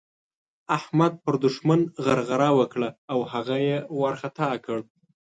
احمد پر دوښمن غرغړه وکړه او هغه يې وارخطا کړ.